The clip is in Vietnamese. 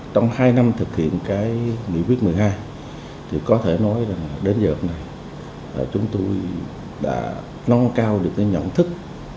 trong hai năm thực hiện nghị quyết một mươi hai có thể nói đến giờ này chúng tôi đã nong cao được những nhận thức